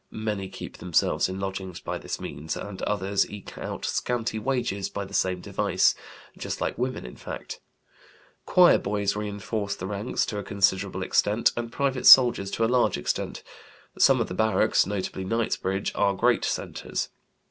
Many keep themselves in lodgings by this means, and others eke out scanty wages by the same device: just like women, in fact. Choirboys reinforce the ranks to a considerable extent, and private soldiers to a large extent. Some of the barracks (notably Knightsbridge) are great centres.